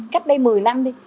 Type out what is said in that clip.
cách đây một mươi năm đi